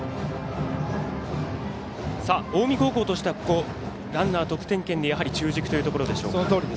近江高校としてはここランナーを得点圏で中軸というところでしょうか。